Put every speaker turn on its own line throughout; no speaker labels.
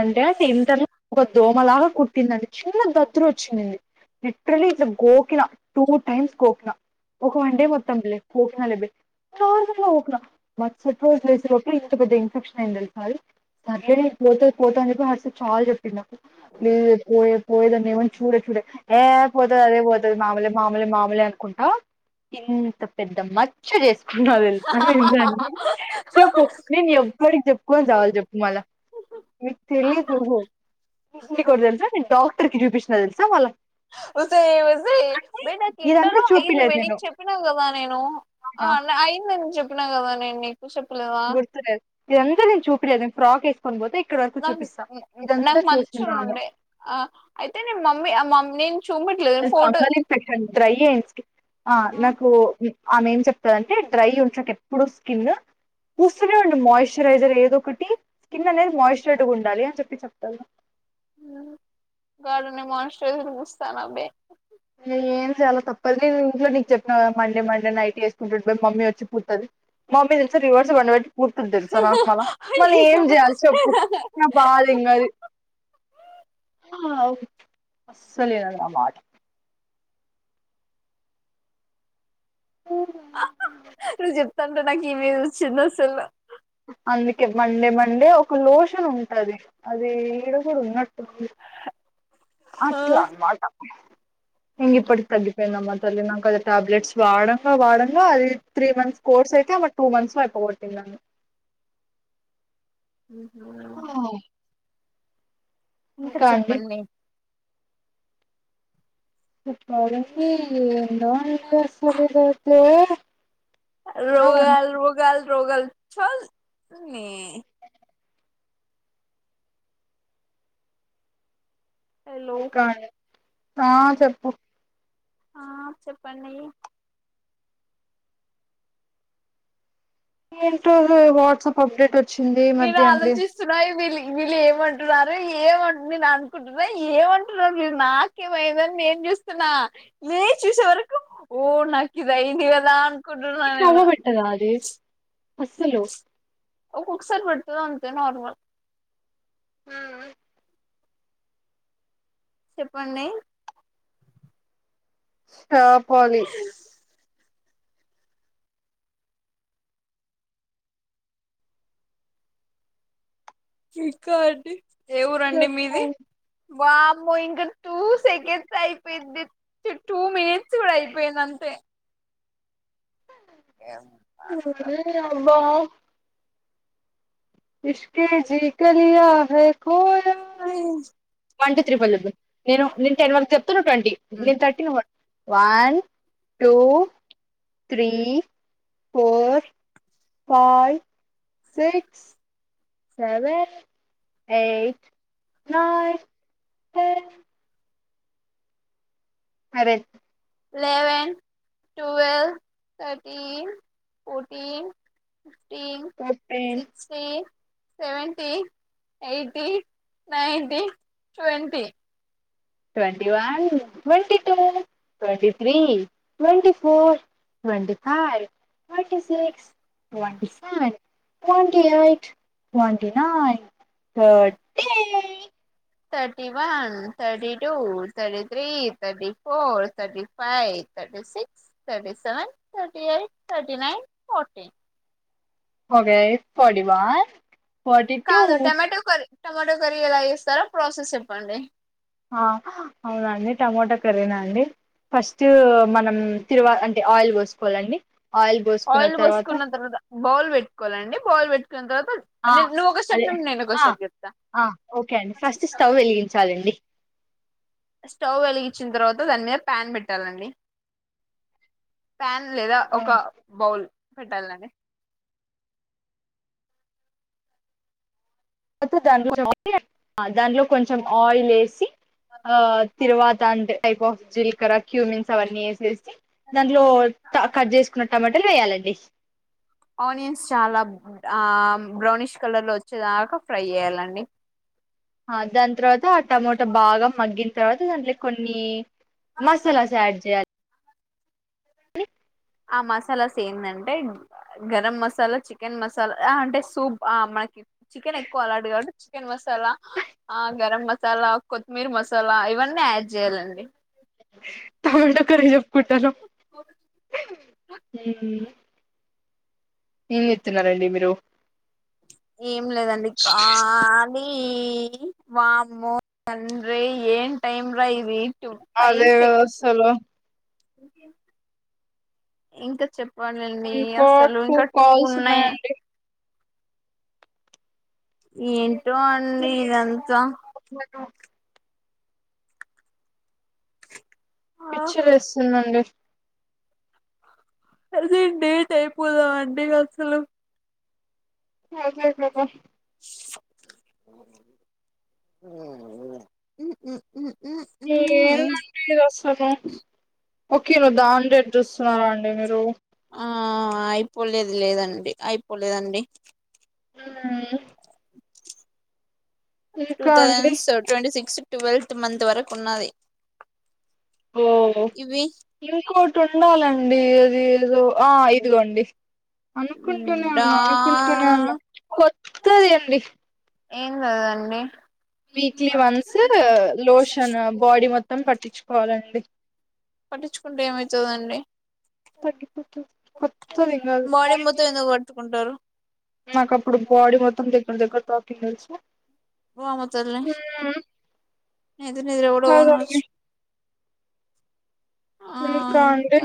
అంటే అ ఏ తర్ ఒక దోమలాగా కుట్టిందండి చిన్న దదులు వచ్చిందింది లిటరలీ ఇట్లా గోకినా టూ టైమ్స్ గోకినా ఒక వన్ డే మొత్తం లే కోోకినా లేబ నార్మల్ గా కినా మచ్చటి రోజు వసే రప్పుడు ఇంత పెద్ద ఇన్ఫెక్షన్ అయింది తెలిసారి సరే యునిట్లిజిలిబుల్ ప్లీ పోయ పోయదన్నే ఎవన్ చూడే ఇప్పుడే ఏ పోతుంది అదే పోతుంది మామూలే మామూలే మామూలే అనుకుంటా ఇంత పెద్ద మచ్చ చేసుకున్నా తెలుసా చెప్పు నేను ఎప్పటికి చెప్పుకోని చవాాల చెప్పు వివళ మీ తెలిదు కాదు నీ ఒకటి తెలుసా నేను డాక్టర్కి చూపిచ్చిన తెలుసా మళ
ఉస యే ఉజయ బయ నాకు
ఇదంతా
ఇంటలో అయిదు
చూపిలేదు
బకి
నేను
చెప్పినా కదా నేను
అవునా
అయిందని చెప్ చెిప్పిన కదా నేను నీకు చెప్పలేదా
గుర్తులేదు. మీ అందర్కి చూపిడి అద ఫ్రాక్ ఎసుకోని పోతే ఇక్కడ వరకు
నాకు
చూపిస్తా ఇదంతా
నాకు మచ్చ
చూసింది ఆమె
ఉండే ఆ అయితే నేను మమ్మీ మ నేను చూపట్లేదు ఫోటో
సంగలి పెట్టండి ట్రై చేయి ఆ నాకు ఆమె ఏం చెప్తందంటే డ్రై ఉంటటు ఎప్పుడు స్కిన్ చూస్తనే ఉండు మాయి్చరైజర్ ఏద ఒకటి స్కిన్ అనేది మాయిశ్చరగా ఉండాలి అని చెప్పి చెప్ప తల్ల
గర్నే మనుష చూస్తాను అబ్బే
ఏం చాలా తప్పదు నేను ఇంట్లో నీకు చెప్పిన మండే మండే నైట్ చేసుకుంటు మమ్మీ వచ్చి పూర్తది మమ్మీ తెలుసా రివర్స్ బండ పెట్టి పూర్తుంది తెలుసా నాకు మళ్ళ మళ్ళీ ఏం చేయాలి చెప్పు
అయ్యో
నా బాధ ఇంక అది అస్సలు ఎదన్న మాట్ ఆ
నువ్వు చెప్తాంటే నాకి ఈమేది చిన్న అసలు
అందుకే మండే మండే ఒక లోషన్ ఉంటంది అది ఈడ కూడా ఉన్నట్టు
ఆ
అట్లా అన్నమాట ఇంగ ఇప్పుడు తగ్గిపోయిందమ్మాట చలి నాక అది ట్యాబ్లెట్స్ వాడ వాడంగా అది త్రీ మంత్స్ కోర్స్ అయితే మ టూ మంత్స్ లో అయిపోగొట్టిందల
ఇంకా చెప్పండి
చెప్పాలండి ఇనాలు అస్సలు ఇదయితే కావాలి
రోగాలు రోగాలు రోగాలు చల్ నీ హలో
కా ఆ చెప్పు
ఆ చెప్పండి
ఎంటో లే వాట్సప్ అప్డేట్ వచ్చి
వీళ్ళు ఆలోచిస్తున్నాయి వీళ్ళు వీళ్ళు ఏం మంటున్నారు ఏమంటు నే అనుకుంటున్నా ఏమంటున్నారు మెరు నక్ ఎమ్ అయింధి నేను చూస్తున్నా నే చూసే వరకు కు ఓ నాకు ఇధియాయింధి కదా అన్కుంటు నేను
అసలు
ఒకగసర్ బడుతుది అంతే నార్మల్
హ్మ్
చెప్పండి
ఆ పోాలి
ఇంకా అండీ ఏ ఊరండి మీది వామో ఇంకా టూ సెకండ్స్ అయిపోయింది టూ మినిట్స్ కూడా అయిపోయింది అంతే
ఉమ్ అబ్బా ఇష్కేజీ గలియా హే కోయా హే వన్ టూ త్రీ ఫోర్ చెప్దాం నేను నేను టెన్ వరకు చెప్తా్ ట్వంటీ నేను thirty one two three four five six seven eight nine ten అదే
eleven twelve thirteen fourteen teen
fifteen
six eight seventy eighty ninety twenty
twenty one twenty two twenty three twenty four twenty ఫ hi twenty six twenty seven twenty eight twenty nine thirty
thirty one thirty two thirty three thirty four thirty five thirty six thirty seven thirty eight thirty nine forty
okay forty one forty two
కాదు tomato curry tomato curry ఎలా చేస్తారో process చెప్పండి
ఆ అవునండి టమాోటా కర్రీనా అండి first మనం తిరువా అంటే ఆయిల్ పోసుకోవాలండి ఆయిల్ పోసుకున్న
ఆయిల్
తర్వాత
పోసుకున్న బౌల్ పెట్టుకోలండి బాల్ పెట్టుకో
ఆ అదే
ఒక
ఆ
స్టెప్ చెప్తా
ఆ ఓకే అండి ఫస్ట్ స్టవ్ వెలిగించాలండి
స్టవ్ వెలిగించిన తర్వాత పో దాని మీద ప్యాన్ పెట్టాలండి ప్యాన్ లేదా ఒక బౌల్ పెట్టాలండి
దాని కొంచెం - దానియో కొంచెం ఆయిల్ వేసి ఆ తీరువాత అంటే టైప్ ఆఫ్ జిలకర క్యూమిన్స్ అవన్నీ ఏసేసి దాంట్లో కట్ చేసుకున్న టమాటలు వేయాలండి
ఆనియన్స్ చాలా ఆ బ్రౌనిష్ కలర్ లో వచ్చేదాకా ఫ్రై చేయాలండి
ఆ దాని తర్వాత ఆ టమోటా బాగా మగ్గిన తర్వాత దాంట్లో కొన్ని మసాలా సడ్ చేయాలి క్లిప్
ఆ మసాలాస్ ఏందంటే గరం మసాలా చికెన్ మసాలా అంటే సూప్ ఆ మనకి చికెన్ ఎక్కువ లార్డ్ కాబట్టి చికెన్ మసాలా ఆ గరం మసాలా కొత్తిమీర మసాలా ఇవన్నీ యాడ్ చేయాలండి
టమాటో కర్రీ చెప్పుకుట్టానం ఏం చెతున్నారండి మీరు
ఏం లేదండి కా లి నీ వామ్మో తండ్రి ఏం టైమ్ రా ఇది టూ ఫైవ్
అదే
సెకండ్స్
వ్యవస్థలో
ఇంకా చెప్ వాని నీ
ఇంకా
అసలు ఇంకా టూ
కాల్స్
ఉన్నాయి
ఉన్నాయండి
ఏంటో అండి ఇదంతా
పిచ్చ లేస్తుందండి
అదే డేట్ అయిపోదా అండి అసలు
అదే ప్రదా ఏందంటే అసలు పద ఓకే నువ్వు దాని రేట్ చుస్తున్నారా అండి మీరు
ఆ అయిపోలేదు లేదండి అయిపోలేదండి
ఆ మ్మ్
టూ
ఇంకా అండి
thousands twenty six twelfth month వరకు ఉన్నది
ఓ
ఇవి
ఇంకోటి ఉండాలం ండి ఇది ఇదు ఆ ఇదిగోండి అనుకుంటూనే
డా
ఉన్నా అనుకుంటూనే ఉన్నా కొత్తది అండి
ఏం కాదండి
వీక్లీ వన్స్ లోషన్ బాడీ మొత్తం పట్టించుకోవాలండి
పట్టించుకుంటే ఏమైతుందండి
తగ్గిపోతుంది కొత్తది కాదు
బాడీ మొత్తం ఎందుకు పట్టుకుంటారు
నాకు అప్పుడు బాడీ మొత్తం దె [unintelligible]
వామ్మో తల్లి నేనైతే నిద్రకూడా పోను
అదండి
కావచ్చు
ఇంకా అండి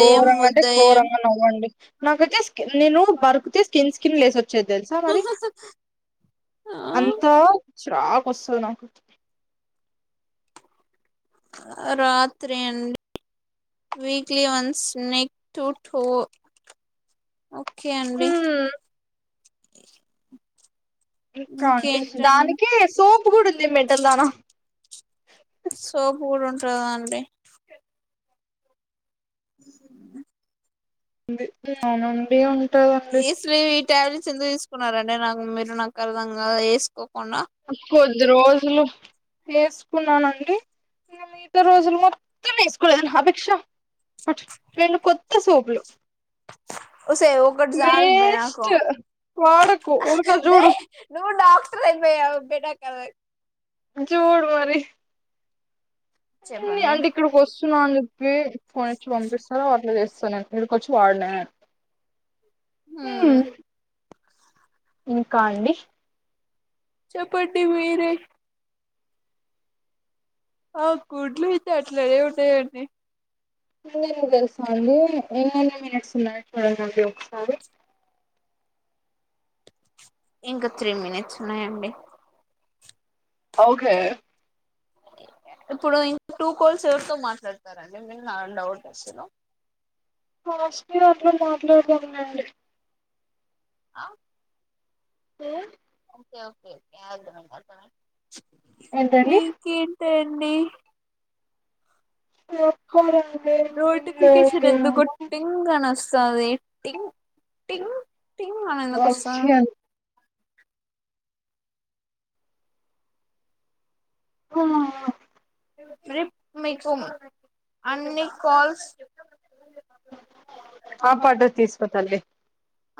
ఘోరంగా అంటే ఘోరంగా నవ్వండి నాకైతే స్కిన్ నేను వర్క్ చేస్ స్కిన్ లేసి వచ్చేది తెలుసా మరి అంత చాక్ వస్తది నాకు
రాత్రి అండి weekly once neck to toe okay అండి
ఇంకా అండి దానికి
ఇంకేంటండి
సోప్ కూడా ఉంది మెంటల్ దానా
ఉంటాదండి [inaudible]
అవునండి ఉంటదండి
ఇస్వి విక్ ట్యాబ్లెట్స్ ఎందుకు తీసుకున్నారండి నాకు మీరు నాకు అర్ధం కాదు ఎసుకో
[inaudible] ఇది రోజు వేసుకున్నానండి ఇంకా మిగతా రోజులు మోత్ తెమ్మేసుకోలేదా ఆపేక్ష పట్టు రెండు కొత్త సోపులు
ఒసే ఒకటి చాలు బే నాకు
వేస్ట్ వాడకు ఊరికే
బే
చూడు
నువ్వు డాక్టర్ అయిపోయావు [unintelligible]
జూడు మరి
చెప్పండి
అంటే ఇక్కడికి వస్తున్నా అని చెప్పి ఫోన్ ఇచ్చి పంపిస్తార అట్లా చేస్తాను ఇడికి వచ్చి వాడినా
మ్మ్
ఉహ్ ఇంకా అండి
చెప్పండి మీరే ఆ గుడ్లు అయితే అట్లనే ఉన్నాయండి
అకు తెలుసా అండి ఎన్నన్ని మినిట్స్ ఉన్నాయి చూడండి ఒకసారి
ఇంకా త్రీ మనిట్స్ ఉన్నాయండి
ఓకే
ఇప్పుడు ఇంకా టూ కోల్స్ ఎవరితో మాట్లాడతారండి మీ నా డౌట్ అసలు
లాస్ట్ ఇయర్ లో మాట్లాడుదాం లేండి
ఆ
ఉ
ఓకే ఓకే అదుమ అమ
ఏంటండి
ఇంక ఏంటి తెండి
ఎప్పుడు
సదేటిటింగ్ న్న కొస
ఓ
రప్ మకు అన్ని కాల్స్
ఆ పాడ్ర తీసుకొత్తాలే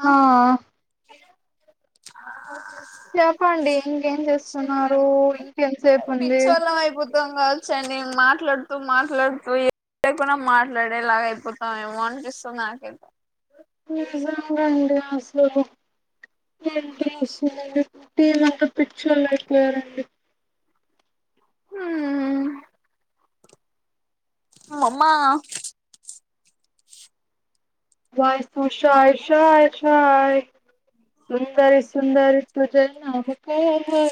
ఆ ఆ
చెప్పండి ఇంకేం చేస్తున్నారు
చెప్పండి
ఇంకెంతసేపు ఉంది
పిచ్చ వాళ్ళం అయిపోతాం కాదు చ్చ న మాట్లాడుతూ మాట్లాడుతూ ఏ లేకున్నా మాట్లాడేలాగ అయిపోతామ ఏమో అనిపిస్తుా నాకైతే
నిజంగాండి అసలు ఏం చేస్తున్నారు టీం అంత పిచ్చోళ్ళు అయిపోయారండి
హ్మ్ అమ్మా
వాయిష సాయి శాయ్ శాయ్ సుందరి సుందరి తుజా నామకా భ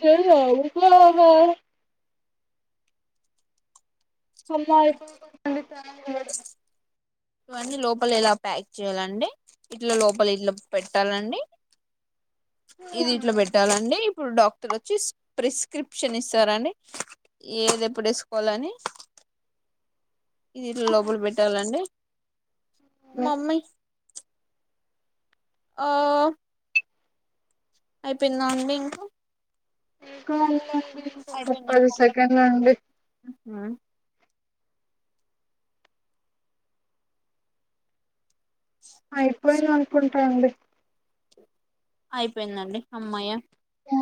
త రావు బబ అమ్మాయిపోతా
ఇవంటి లోపల ఇలా ప్యాక్ చేయ్యాలండి ఇట్ల లోపల ఇట్లా పెట్టాలండి ఇది ఇట్లో
హలో
పెట్టాలండి ఇప్పుడు డాక్టర్ వచ్చి ప్రిస్క్రిప్షన్ ఇస్తారండి ఏది ఎప్పుడు వేసుకోవాలని ఇది ఇట్లా లోపల పెట్టాలండి మమ్మీ ఆ అయిపోయిందా అండి ఇంకా
ఇంకా అండి
అయిపోయింది
ముప్పది
ఇంకొక
సెకండ్ ఉంది అయిపోయిది అనుకుంటాండి
అయిపోయిందండి అమ్మాయ
ఆ